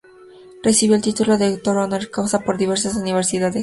Recibió el título de doctor "honoris causa" por diversas universidades.